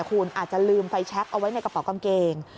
คุณอาจจะลืมไฟแช็คเอาไว้ในกระเป๋ากางเกง